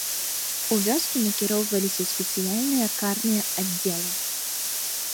У вёскі накіроўваліся спецыяльныя карныя аддзелы.